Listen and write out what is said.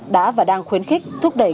đã và đang khuyến khích thúc đẩy